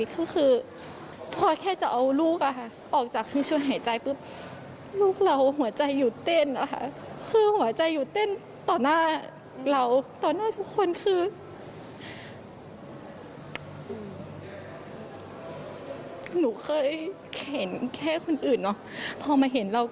เปิ้ลมี่แม่บีบก็คุณให้รอให้มา